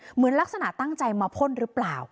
เหมือนลักษณะตั้งใจมาพ่นหรือเปล่า